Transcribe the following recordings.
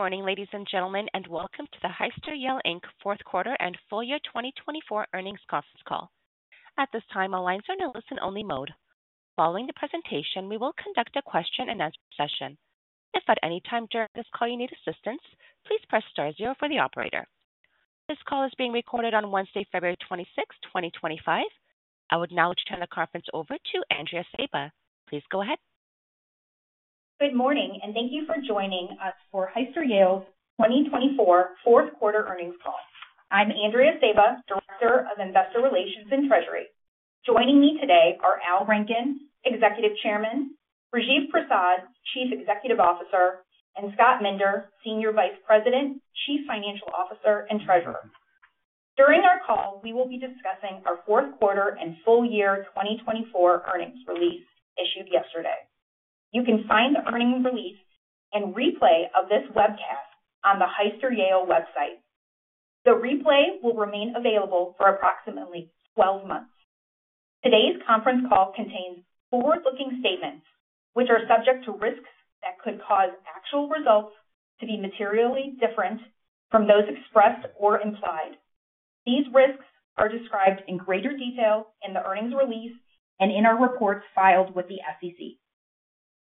Good morning, ladies and gentlemen, and welcome to the Hyster-Yale, Inc. fourth quarter and full year 2024 earnings conference call. At this time, our lines are in a listen-only mode. Following the presentation, we will conduct a question-and-answer session. If at any time during this call you need assistance, please press star zero for the operator. This call is being recorded on Wednesday, February 26, 2025. I would now turn the conference over to Andrea Sejba. Please go ahead. Good morning, and thank you for joining us for Hyster-Yale's 2024 fourth quarter earnings call. I'm Andrea Sejba, Director of Investor Relations and Treasury. Joining me today are Al Rankin, Executive Chairman, Rajiv Prasad, Chief Executive Officer, and Scott Minder, Senior Vice President, Chief Financial Officer, and Treasurer. During our call, we will be discussing our fourth quarter and full year 2024 earnings release issued yesterday. You can find the earnings release and replay of this webcast on the Hyster-Yale website. The replay will remain available for approximately 12 months. Today's conference call contains forward-looking statements, which are subject to risks that could cause actual results to be materially different from those expressed or implied. These risks are described in greater detail in the earnings release and in our reports filed with the SEC.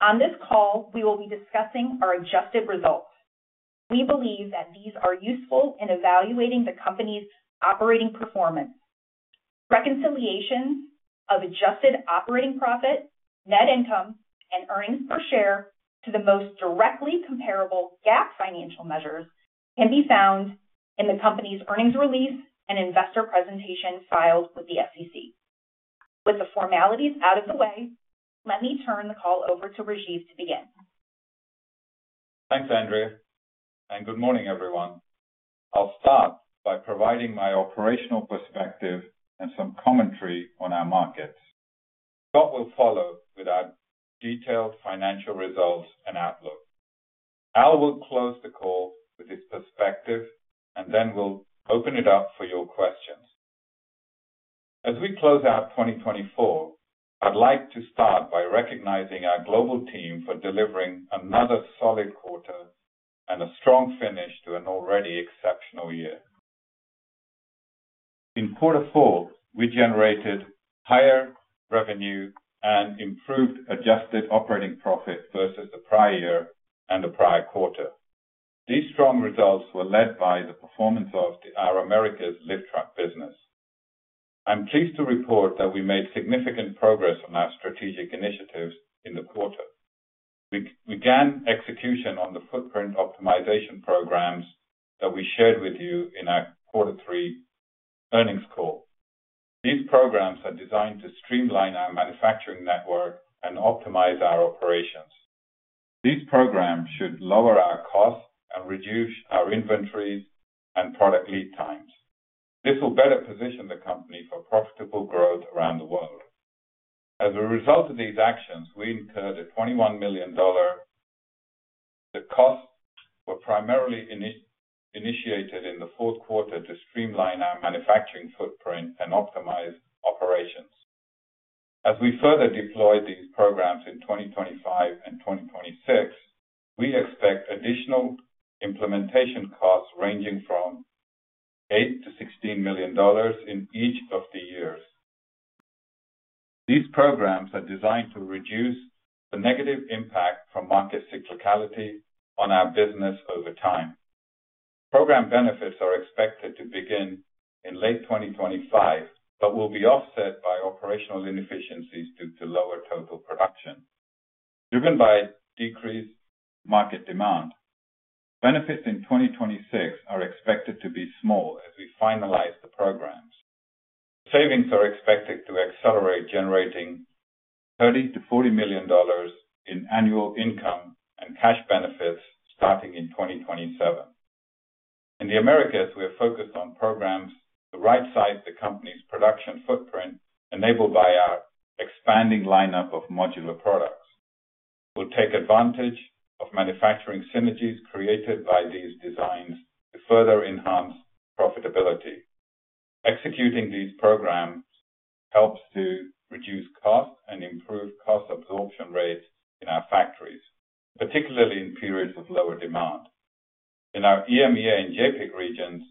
On this call, we will be discussing our adjusted results. We believe that these are useful in evaluating the company's operating performance. Reconciliations of adjusted operating profit, net income, and earnings per share to the most directly comparable GAAP financial measures can be found in the company's earnings release and investor presentation filed with the SEC. With the formalities out of the way, let me turn the call over to Rajiv to begin. Thanks, Andrea, and good morning, everyone. I'll start by providing my operational perspective and some commentary on our markets. Scott will follow with our detailed financial results and outlook. Al will close the call with his perspective, and then we'll open it up for your questions. As we close out 2024, I'd like to start by recognizing our global team for delivering another solid quarter and a strong finish to an already exceptional year. In quarter four, we generated higher revenue and improved adjusted operating profit versus the prior year and the prior quarter. These strong results were led by the performance of our Americas lift truck business. I'm pleased to report that we made significant progress on our strategic initiatives in the quarter. We began execution on the footprint optimization programs that we shared with you in our quarter three earnings call. These programs are designed to streamline our manufacturing network and optimize our operations. These programs should lower our costs and reduce our inventories and product lead times. This will better position the company for profitable growth around the world. As a result of these actions, we incurred a $21 million. The costs were primarily initiated in the fourth quarter to streamline our manufacturing footprint and optimize operations. As we further deploy these programs in 2025 and 2026, we expect additional implementation costs ranging from $8 million-$16 million in each of the years. These programs are designed to reduce the negative impact from market cyclicality on our business over time. Program benefits are expected to begin in late 2025 but will be offset by operational inefficiencies due to lower total production, driven by decreased market demand. Benefits in 2026 are expected to be small as we finalize the programs. Savings are expected to accelerate, generating $30 million-$40 million in annual income and cash benefits starting in 2027. In the Americas, we are focused on programs to right-size the company's production footprint enabled by our expanding lineup of modular products. We'll take advantage of manufacturing synergies created by these designs to further enhance profitability. Executing these programs helps to reduce costs and improve cost absorption rates in our factories, particularly in periods of lower demand. In our EMEA and JAPIC regions,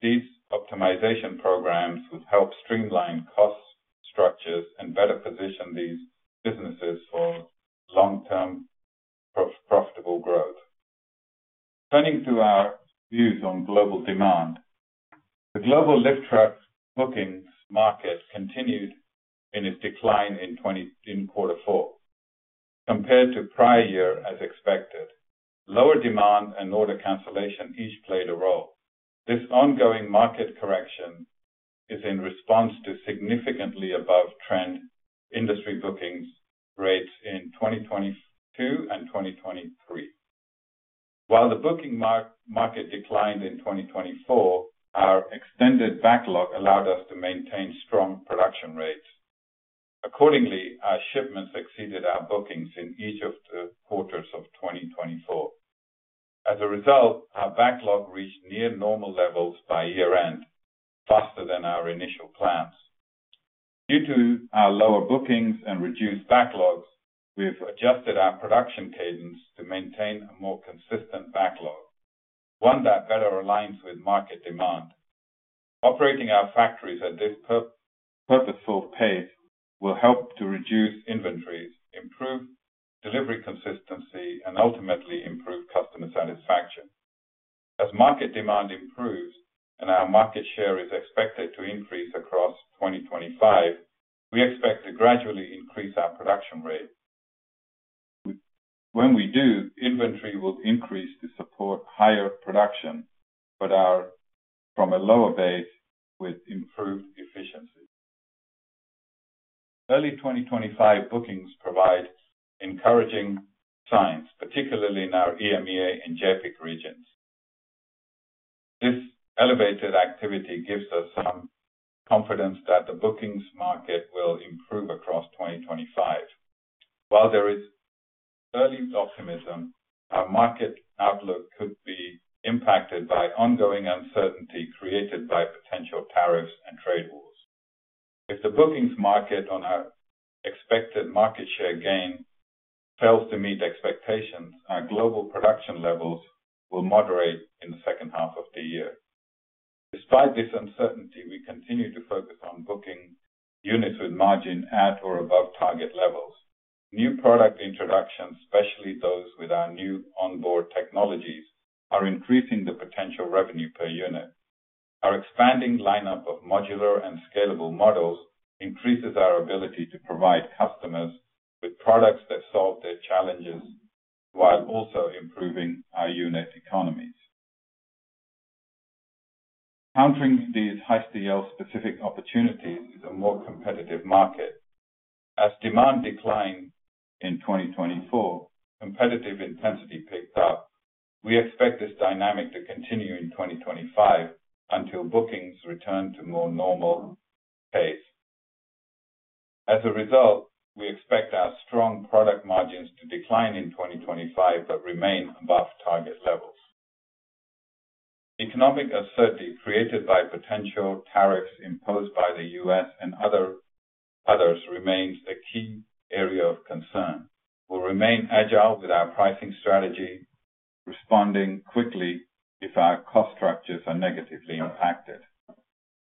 these optimization programs will help streamline cost structures and better position these businesses for long-term profitable growth. Turning to our views on global demand, the global lift truck bookings market continued in its decline in quarter four. Compared to prior year, as expected, lower demand and order cancellation each played a role. This ongoing market correction is in response to significantly above-trend industry bookings rates in 2022 and 2023. While the booking market declined in 2024, our extended backlog allowed us to maintain strong production rates. Accordingly, our shipments exceeded our bookings in each of the quarters of 2024. As a result, our backlog reached near-normal levels by year-end, faster than our initial plans. Due to our lower bookings and reduced backlogs, we've adjusted our production cadence to maintain a more consistent backlog, one that better aligns with market demand. Operating our factories at this purposeful pace will help to reduce inventories, improve delivery consistency, and ultimately improve customer satisfaction. As market demand improves and our market share is expected to increase across 2025, we expect to gradually increase our production rate. When we do, inventory will increase to support higher production, but from a lower base with improved efficiency. Early 2025 bookings provide encouraging signs, particularly in our EMEA and JAPIC regions. This elevated activity gives us some confidence that the bookings market will improve across 2025. While there is early optimism, our market outlook could be impacted by ongoing uncertainty created by potential tariffs and trade wars. If the bookings market on our expected market share gain fails to meet expectations, our global production levels will moderate in the second half of the year. Despite this uncertainty, we continue to focus on booking units with margin at or above target levels. New product introductions, especially those with our new onboard technologies, are increasing the potential revenue per unit. Our expanding lineup of modular and scalable models increases our ability to provide customers with products that solve their challenges while also improving our unit economies. Countering these Hyster-Yale-specific opportunities is a more competitive market. As demand declined in 2024, competitive intensity picked up. We expect this dynamic to continue in 2025 until bookings return to more normal pace. As a result, we expect our strong product margins to decline in 2025 but remain above target levels. Economic uncertainty created by potential tariffs imposed by the U.S. and others remains a key area of concern. We'll remain agile with our pricing strategy, responding quickly if our cost structures are negatively impacted.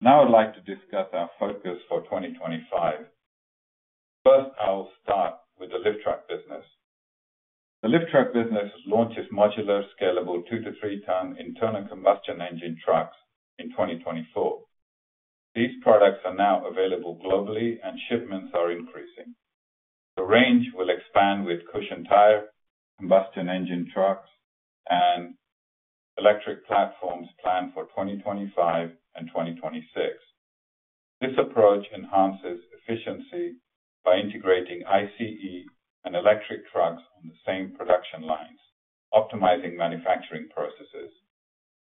Now I'd like to discuss our focus for 2025. First, I'll start with the lift truck business. The lift truck business launches modular, scalable 2-ton to 3-ton internal combustion engine trucks in 2024. These products are now available globally, and shipments are increasing. The range will expand with cushion tire, combustion engine trucks, and electric platforms planned for 2025 and 2026. This approach enhances efficiency by integrating ICE and electric trucks on the same production lines, optimizing manufacturing processes.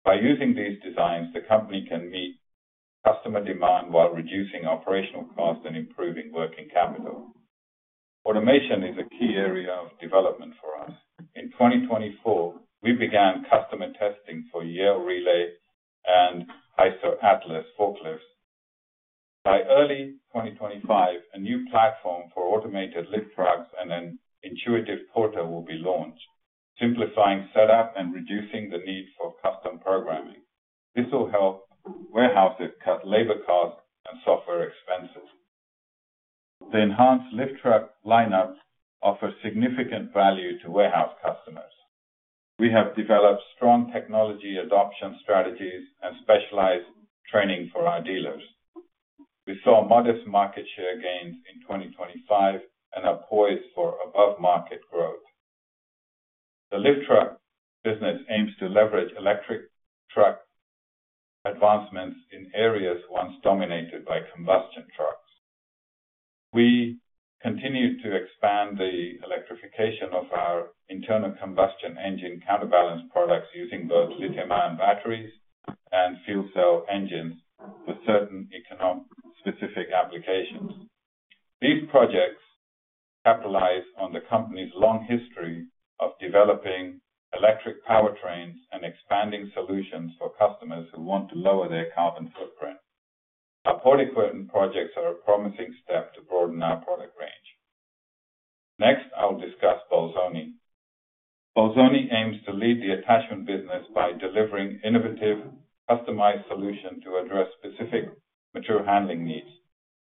By using these designs, the company can meet customer demand while reducing operational costs and improving working capital. Automation is a key area of development for us. In 2024, we began customer testing for Yale Relay and Hyster Atlas forklifts. By early 2025, a new platform for automated lift trucks and an intuitive portal will be launched, simplifying setup and reducing the need for custom programming. This will help warehouses cut labor costs and software expenses. The enhanced lift truck lineup offers significant value to warehouse customers. We have developed strong technology adoption strategies and specialized training for our dealers. We saw modest market share gains in 2025 and are poised for above-market growth. The lift truck business aims to leverage electric truck advancements in areas once dominated by combustion trucks. We continue to expand the electrification of our internal combustion engine counterbalance products using both lithium-ion batteries and fuel cell engines for certain economically specific applications. These projects capitalize on the company's long history of developing electric powertrains and expanding solutions for customers who want to lower their carbon footprint. Our portable equipment projects are a promising step to broaden our product range. Next, I'll discuss Bolzoni. Bolzoni aims to lead the attachment business by delivering innovative, customized solutions to address specific material handling needs.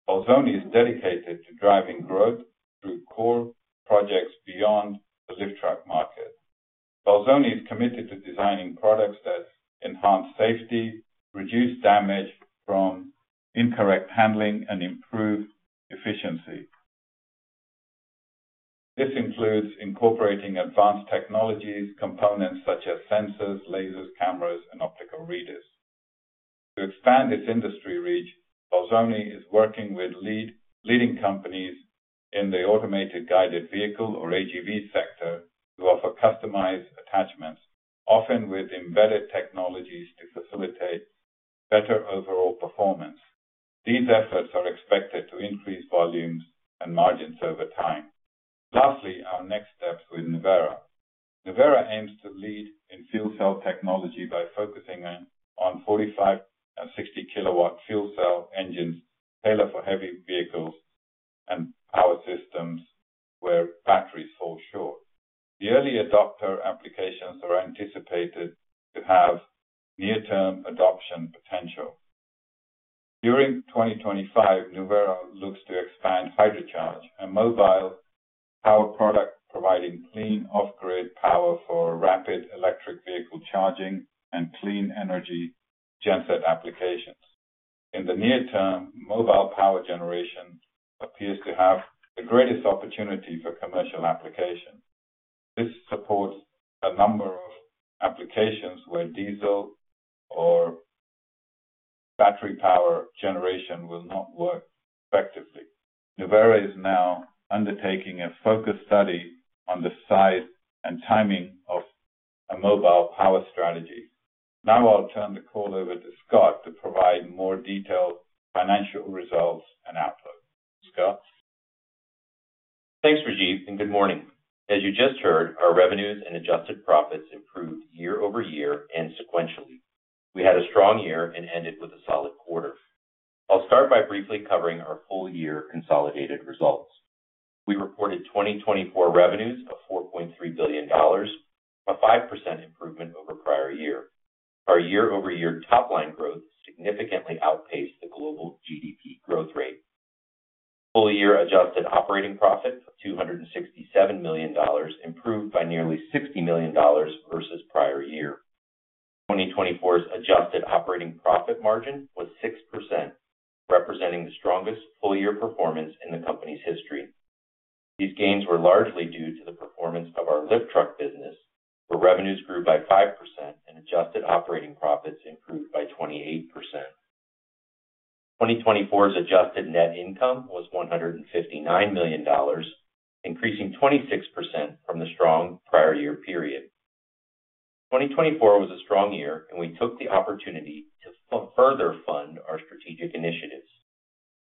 Bolzoni is dedicated to driving growth through core projects beyond the lift truck market. Bolzoni is committed to designing products that enhance safety, reduce damage from incorrect handling, and improve efficiency. This includes incorporating advanced technologies, components such as sensors, lasers, cameras, and optical readers. To expand its industry reach, Bolzoni is working with leading companies in the automated guided vehicle or AGV sector to offer customized attachments, often with embedded technologies to facilitate better overall performance. These efforts are expected to increase volumes and margins over time. Lastly, our next steps with Nuvera. Nuvera aims to lead in fuel cell technology by focusing on 45 kW and 60 kW fuel cell engines tailored for heavy vehicles and power systems where batteries fall short. The early adopter applications are anticipated to have near-term adoption potential. During 2025, Nuvera looks to expand HydroCharge, a mobile power product providing clean off-grid power for rapid electric vehicle charging and clean energy genset applications. In the near term, mobile power generation appears to have the greatest opportunity for commercial application. This supports a number of applications where diesel or battery power generation will not work effectively. Nuvera is now undertaking a focused study on the size and timing of a mobile power strategy. Now I'll turn the call over to Scott to provide more detailed financial results and outlook. Scott? Thanks, Rajiv, and good morning. As you just heard, our revenues and adjusted profits improved year over year and sequentially. We had a strong year and ended with a solid quarter. I'll start by briefly covering our full-year consolidated results. We reported 2024 revenues of $4.3 billion, a 5% improvement over prior year. Our year-over-year top-line growth significantly outpaced the global GDP growth rate. Full-year adjusted operating profit of $267 million improved by nearly $60 million versus prior year. 2024's adjusted operating profit margin was 6%, representing the strongest full-year performance in the company's history. These gains were largely due to the performance of our lift truck business, where revenues grew by 5% and adjusted operating profits improved by 28%. 2024's adjusted net income was $159 million, increasing 26% from the strong prior-year period. 2024 was a strong year, and we took the opportunity to further fund our strategic initiatives.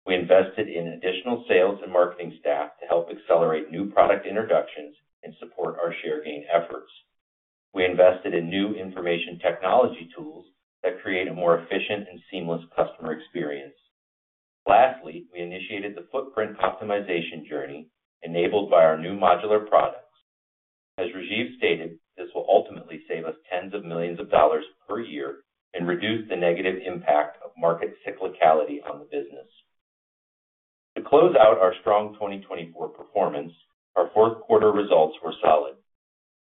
We invested in additional sales and marketing staff to help accelerate new product introductions and support our share gain efforts. We invested in new information technology tools that create a more efficient and seamless customer experience. Lastly, we initiated the footprint optimization journey enabled by our new modular products. As Rajiv stated, this will ultimately save us tens of millions of dollars per year and reduce the negative impact of market cyclicality on the business. To close out our strong 2024 performance, our fourth-quarter results were solid.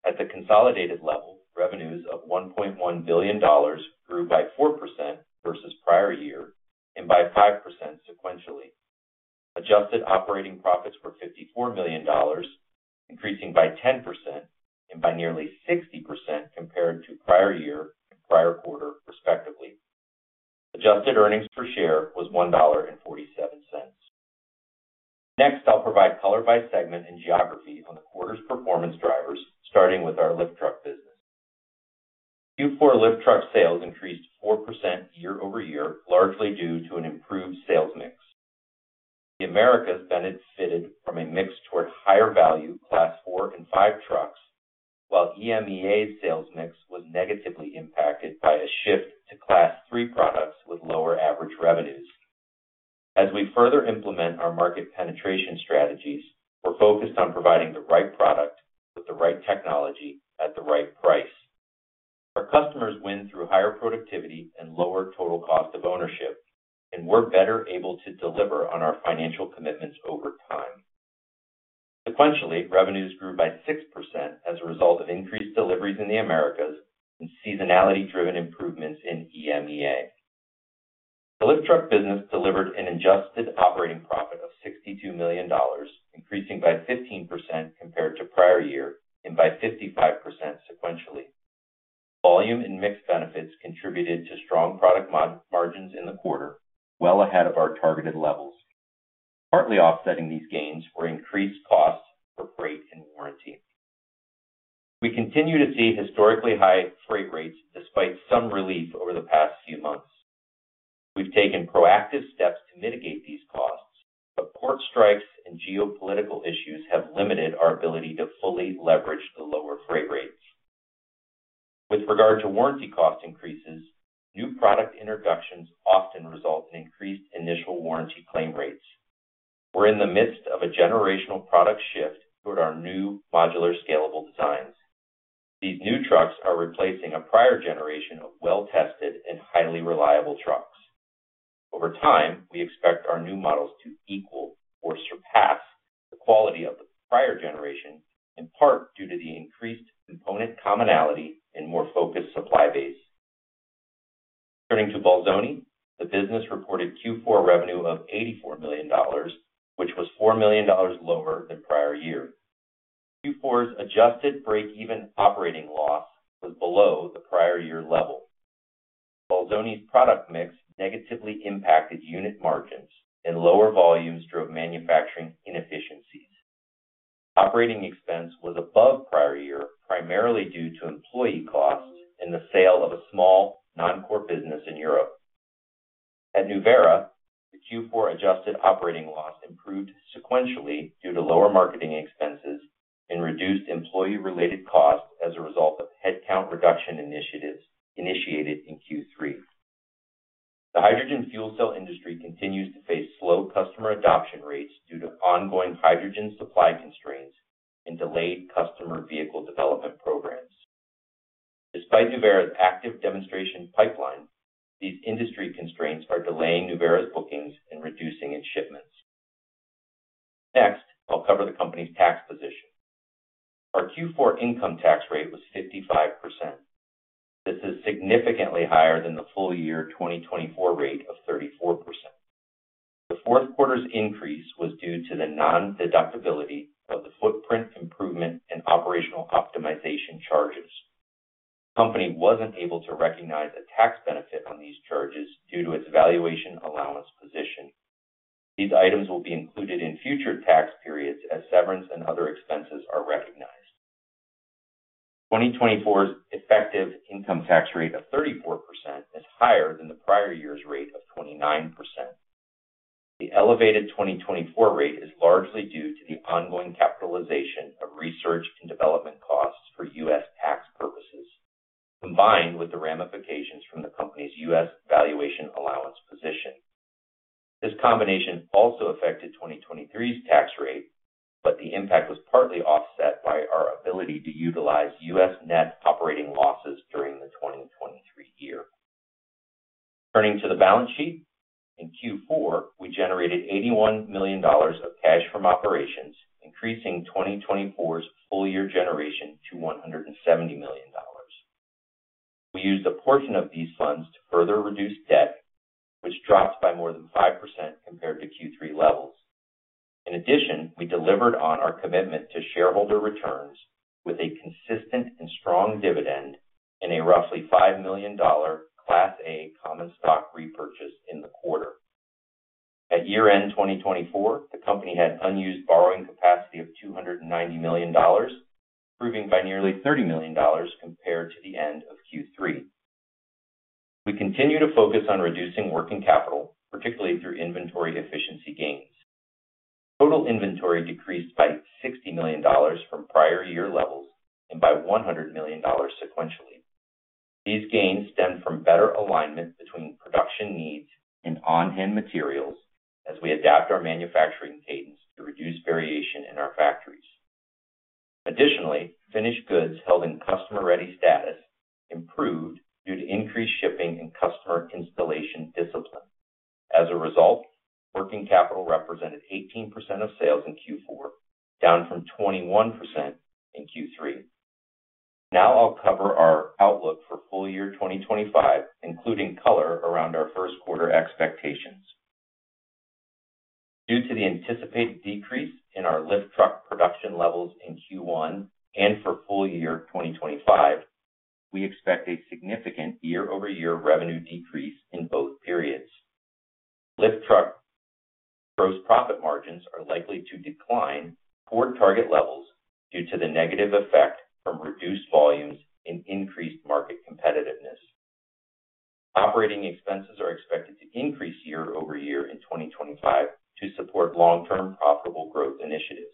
At the consolidated level, revenues of $1.1 billion grew by 4% versus prior year and by 5% sequentially. Adjusted operating profits were $54 million, increasing by 10% and by nearly 60% compared to prior year and prior quarter, respectively. Adjusted earnings per share was $1.47. Next, I'll provide color by segment and geography on the quarter's performance drivers, starting with our lift truck business. Q4 lift truck sales increased 4% year-over-year, largely due to an improved sales mix. The Americas benefited from a mix toward higher-value Class 4 and 5 trucks, while EMEA's sales mix was negatively impacted by a shift to Class 3 products with lower average revenues. As we further implement our market penetration strategies, we're focused on providing the right product with the right technology at the right price. Our customers win through higher productivity and lower total cost of ownership, and we're better able to deliver on our financial commitments over time. Sequentially, revenues grew by 6% as a result of increased deliveries in the Americas and seasonality-driven improvements in EMEA. The lift truck business delivered an adjusted operating profit of $62 million, increasing by 15% compared to prior year and by 55% sequentially. Volume and mixed benefits contributed to strong product margins in the quarter, well ahead of our targeted levels. Partly offsetting these gains were increased costs for freight and warranty. We continue to see historically high freight rates despite some relief over the past few months. We've taken proactive steps to mitigate these costs, but port strikes and geopolitical issues have limited our ability to fully leverage the lower freight rates. With regard to warranty cost increases, new product introductions often result in increased initial warranty claim rates. We're in the midst of a generational product shift toward our new modular scalable designs. These new trucks are replacing a prior generation of well-tested and highly reliable trucks. Over time, we expect our new models to equal or surpass the quality of the prior generation, in part due to the increased component commonality and more focused supply base. Turning to Bolzoni, the business reported Q4 revenue of $84 million, which was $4 million lower than prior year. Q4's adjusted break-even operating loss was below the prior-year level. Bolzoni's product mix negatively impacted unit margins, and lower volumes drove manufacturing inefficiencies. Operating expense was above prior year, primarily due to employee costs and the sale of a small non-core business in Europe. At Nuvera, the Q4 adjusted operating loss improved sequentially due to lower marketing expenses and reduced employee-related costs as a result of headcount reduction initiatives initiated in Q3. The hydrogen fuel cell industry continues to face slow customer adoption rates due to ongoing hydrogen supply constraints and delayed customer vehicle development programs. Despite Nuvera's active demonstration pipeline, these industry constraints are delaying Nuvera's bookings and reducing its shipments. Next, I'll cover the company's tax position. Our Q4 income tax rate was 55%. This is significantly higher than the full-year 2024 rate of 34%. The fourth quarter's increase was due to the non-deductibility of the footprint improvement and operational optimization charges. The company wasn't able to recognize a tax benefit on these charges due to its valuation allowance position. These items will be included in future tax periods as severance and other expenses are recognized. 2024's effective income tax rate of 34% is higher than the prior year's rate of 29%. The elevated 2024 rate is largely due to the ongoing capitalization of research and development costs for U.S. tax purposes, combined with the ramifications from the company's U.S. valuation allowance position. This combination also affected 2023's tax rate, but the impact was partly offset by our ability to utilize U.S. net operating losses during the 2023 year. Turning to the balance sheet, in Q4, we generated $81 million of cash from operations, increasing 2024's full-year generation to $170 million. We used a portion of these funds to further reduce debt, which dropped by more than 5% compared to Q3 levels. In addition, we delivered on our commitment to shareholder returns with a consistent and strong dividend and a roughly $5 million Class A common stock repurchase in the quarter. At year-end 2024, the company had unused borrowing capacity of $290 million, improving by nearly $30 million compared to the end of Q3. We continue to focus on reducing working capital, particularly through inventory efficiency gains. Total inventory decreased by $60 million from prior-year levels and by $100 million sequentially. These gains stem from better alignment between production needs and on-hand materials as we adapt our manufacturing cadence to reduce variation in our factories. Additionally, finished goods held in customer-ready status improved due to increased shipping and customer installation discipline. As a result, working capital represented 18% of sales in Q4, down from 21% in Q3. Now I'll cover our outlook for full-year 2025, including color around our first-quarter expectations. Due to the anticipated decrease in our lift truck production levels in Q1 and for full-year 2025, we expect a significant year-over-year revenue decrease in both periods. Lift truck gross profit margins are likely to decline toward target levels due to the negative effect from reduced volumes and increased market competitiveness. Operating expenses are expected to increase year-over-year in 2025 to support long-term profitable growth initiatives.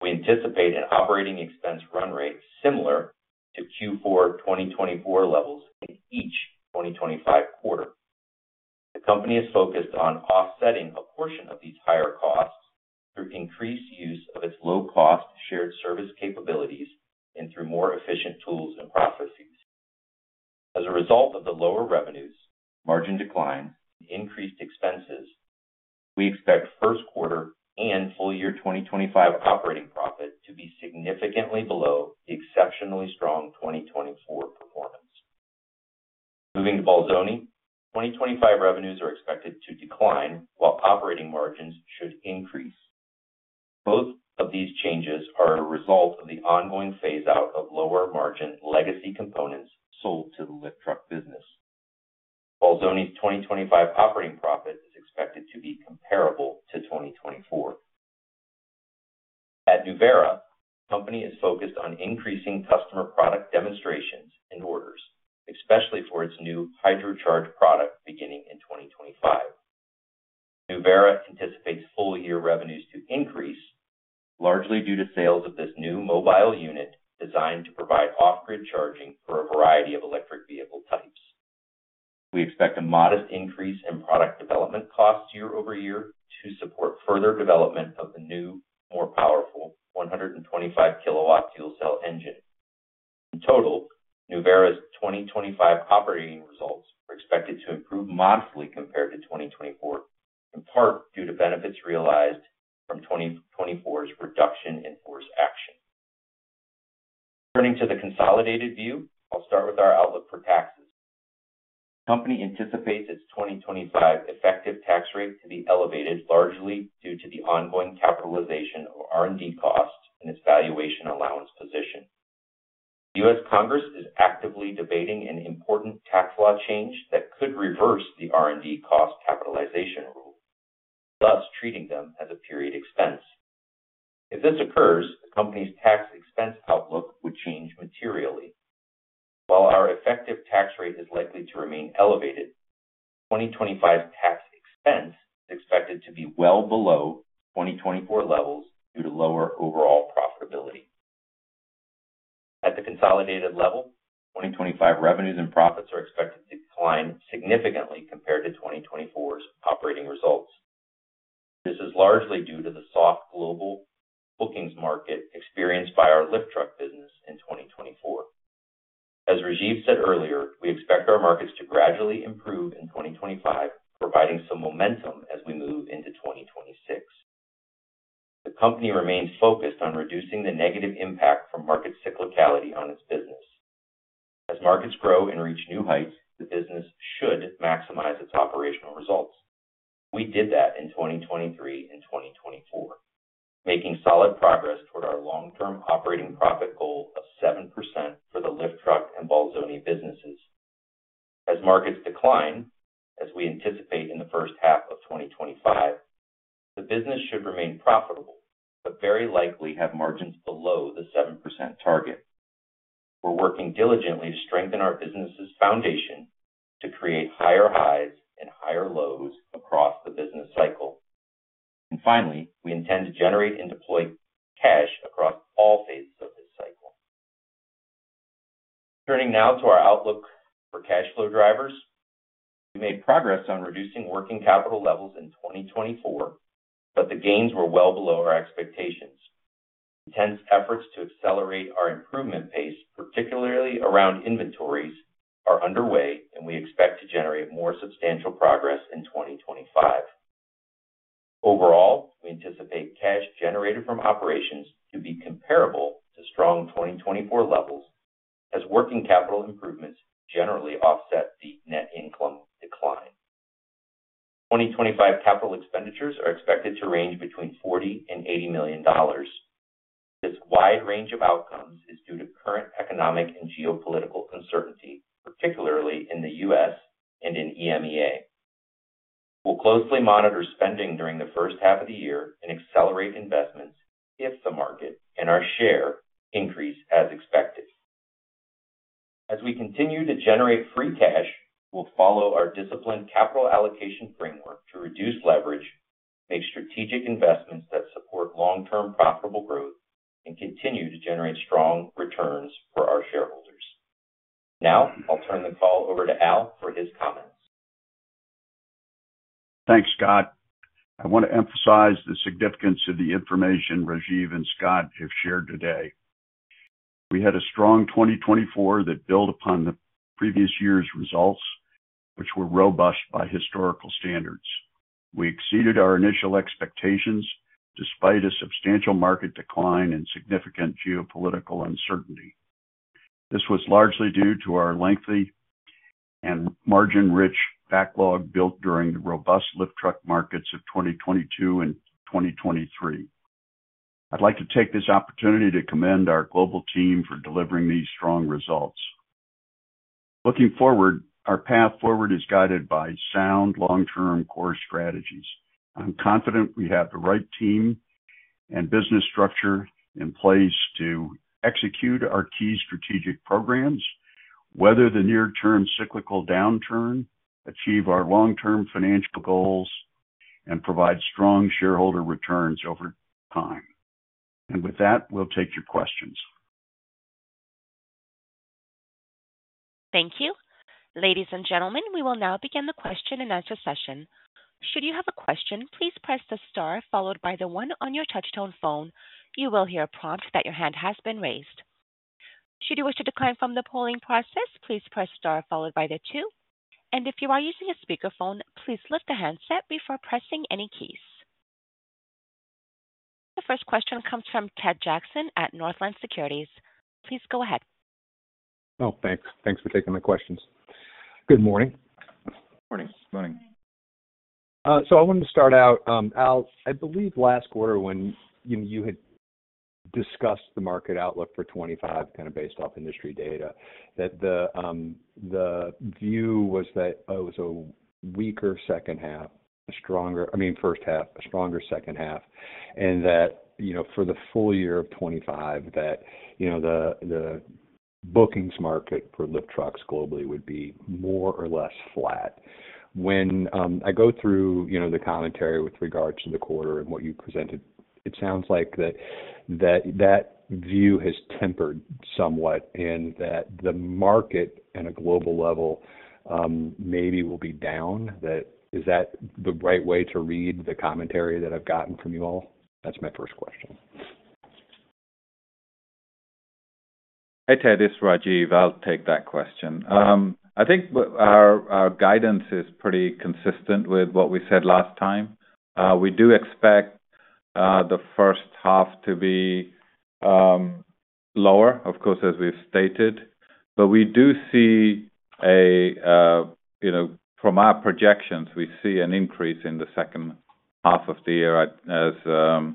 We anticipate an operating expense run rate similar to Q4 2024 levels in each 2025 quarter. The company is focused on offsetting a portion of these higher costs through increased use of its low-cost shared service capabilities and through more efficient tools and processes. As a result of the lower revenues, margin declines, and increased expenses, we expect first quarter and full-year 2025 operating profit to be significantly below the exceptionally strong 2024 performance. Moving to Bolzoni, 2025 revenues are expected to decline, while operating margins should increase. Both of these changes are a result of the ongoing phase-out of lower-margin legacy components sold to the lift truck business. Bolzoni's 2025 operating profit is expected to be comparable to 2024. At Nuvera, the company is focused on increasing customer product demonstrations and orders, especially for its new HydroCharge product beginning in 2025. Nuvera anticipates full-year revenues to increase, largely due to sales of this new mobile unit designed to provide off-grid charging for a variety of electric vehicle types. We expect a modest increase in product development costs year-over-year to support further development of the new, more powerful 125 kW fuel cell engine. In total, Nuvera's 2025 operating results are expected to improve modestly compared to 2024, in part due to benefits realized from 2024's reduction in force action. Turning to the consolidated view, I'll start with our outlook for taxes. The company anticipates its 2025 effective tax rate to be elevated, largely due to the ongoing capitalization of R&D costs and its valuation allowance position. The U.S. Congress is actively debating an important tax law change that could reverse the R&D cost capitalization rule, thus treating them as a period expense. If this occurs, the company's tax expense outlook would change materially. While our effective tax rate is likely to remain elevated, 2025's tax expense is expected to be well below 2024 levels due to lower overall profitability. At the consolidated level, 2025 revenues and profits are expected to decline significantly compared to 2024's operating results. This is largely due to the soft global bookings market experienced by our lift truck business in 2024. As Rajiv said earlier, we expect our markets to gradually improve in 2025, providing some momentum as we move into 2026. The company remains focused on reducing the negative impact from market cyclicality on its business. As markets grow and reach new heights, the business should maximize its operational results. We did that in 2023 and 2024, making solid progress toward our long-term operating profit goal of 7% for the lift truck and Bolzoni businesses. As markets decline, as we anticipate in the first half of 2025, the business should remain profitable but very likely have margins below the 7% target. We're working diligently to strengthen our business's foundation to create higher highs and higher lows across the business cycle. And finally, we intend to generate and deploy cash across all phases of this cycle. Turning now to our outlook for cash flow drivers, we made progress on reducing working capital levels in 2024, but the gains were well below our expectations. Intense efforts to accelerate our improvement pace, particularly around inventories, are underway, and we expect to generate more substantial progress in 2025. Overall, we anticipate cash generated from operations to be comparable to strong 2024 levels, as working capital improvements generally offset the net income decline. 2025 capital expenditures are expected to range between $40 million-$80 million. This wide range of outcomes is due to current economic and geopolitical uncertainty, particularly in the U.S. and in EMEA. We'll closely monitor spending during the first half of the year and accelerate investments if the market and our share increase as expected. As we continue to generate free cash, we'll follow our disciplined capital allocation framework to reduce leverage, make strategic investments that support long-term profitable growth, and continue to generate strong returns for our shareholders. Now I'll turn the call over to Al for his comments. Thanks, Scott. I want to emphasize the significance of the information Rajiv and Scott have shared today. We had a strong 2024 that built upon the previous year's results, which were robust by historical standards. We exceeded our initial expectations despite a substantial market decline and significant geopolitical uncertainty. This was largely due to our lengthy and margin-rich backlog built during the robust lift truck markets of 2022 and 2023. I'd like to take this opportunity to commend our global team for delivering these strong results. Looking forward, our path forward is guided by sound long-term core strategies. I'm confident we have the right team and business structure in place to execute our key strategic programs, weather the near-term cyclical downturn, achieve our long-term financial goals, and provide strong shareholder returns over time. And with that, we'll take your questions. Thank you. Ladies and gentlemen, we will now begin the question-and-answer session. Should you have a question, please press the star followed by the one on your touch-tone phone. You will hear a prompt that your hand has been raised. Should you wish to decline from the polling process, please press star followed by the two, and if you are using a speakerphone, please lift the handset before pressing any keys. The first question comes from Ted Jackson at Northland Securities. Please go ahead. Oh, thanks. Thanks for taking my questions. Good morning. Morning. Good morning. I wanted to start out, Al. I believe last quarter when you had discussed the market outlook for 2025, kind of based off industry data, that the view was that it was a weaker second half, a stronger, I mean, first half, a stronger second half, and that for the full year of 2025, that the bookings market for lift trucks globally would be more or less flat. When I go through the commentary with regards to the quarter and what you presented, it sounds like that that view has tempered somewhat and that the market at a global level maybe will be down. Is that the right way to read the commentary that I've gotten from you all? That's my first question. Hey, Ted, it's Rajiv. I'll take that question. I think our guidance is pretty consistent with what we said last time. We do expect the first half to be lower, of course, as we've stated. But we do see from our projections, we see an increase in the second half of the year, as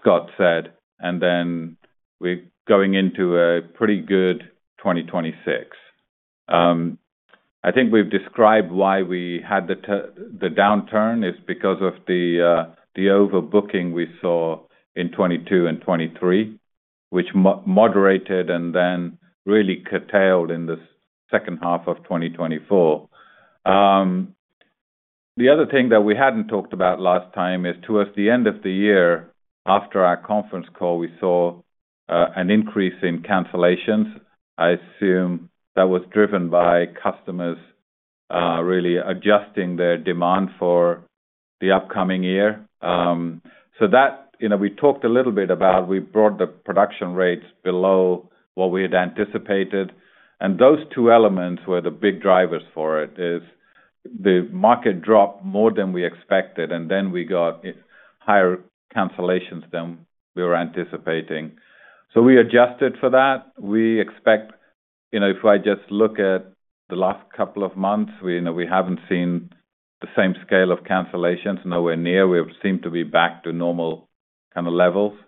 Scott said, and then we're going into a pretty good 2026. I think we've described why we had the downturn. It's because of the overbooking we saw in 2022 and 2023, which moderated and then really curtailed in the second half of 2024. The other thing that we hadn't talked about last time is, towards the end of the year, after our conference call, we saw an increase in cancellations. I assume that was driven by customers really adjusting their demand for the upcoming year. So that we talked a little bit about, we brought the production rates below what we had anticipated. And those two elements were the big drivers for it: is the market dropped more than we expected, and then we got higher cancellations than we were anticipating. So we adjusted for that. We expect if I just look at the last couple of months, we haven't seen the same scale of cancellations, nowhere near. We seem to be back to normal kind of levels.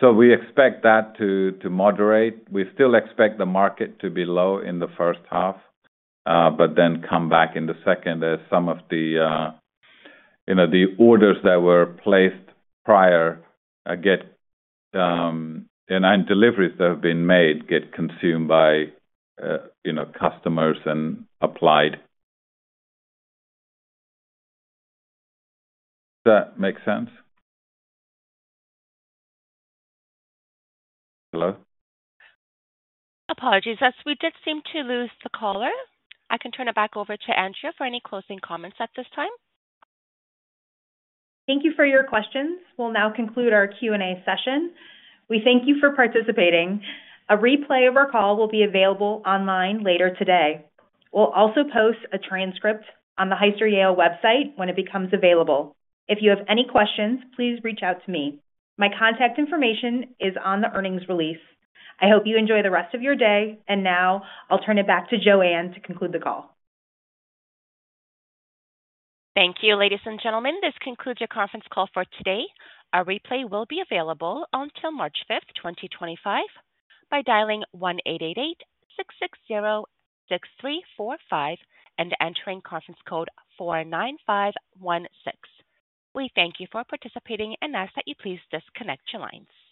So we expect that to moderate. We still expect the market to be low in the first half, but then come back in the second as some of the orders that were placed prior get, and deliveries that have been made get consumed by customers and applied. Does that make sense? Hello? Apologies. We did seem to lose the caller. I can turn it back over to Andrea for any closing comments at this time. Thank you for your questions. We'll now conclude our Q&A session. We thank you for participating. A replay of our call will be available online later today. We'll also post a transcript on the Hyster-Yale website when it becomes available. If you have any questions, please reach out to me. My contact information is on the earnings release. I hope you enjoy the rest of your day. And now I'll turn it back to Joanne to conclude the call. Thank you, ladies and gentlemen. This concludes your conference call for today. Our replay will be available until March 5th, 2025, by dialing 1-888-660-6345 and entering conference code 49516. We thank you for participating and ask that you please disconnect your lines.